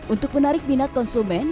untuk menarik minat konsumen